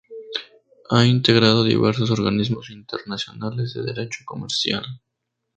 Ha integrado diversos organismos internacionales de derecho comercial.